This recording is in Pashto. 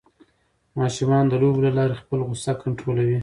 ماشومان د لوبو له لارې خپل غوسه کنټرولوي.